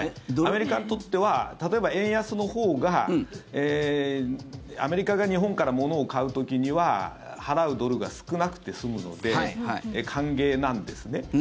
アメリカにとっては例えば、円安のほうがアメリカが日本からものを買う時には払うドルが少なくて済むので歓迎なんですね。